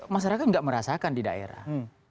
masyarakat tidak merasakan di daerah